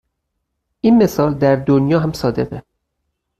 این مثال در دنیا هم صادقه.